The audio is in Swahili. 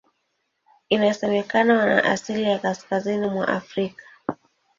Inasemekana wana asili ya Kaskazini mwa Afrika.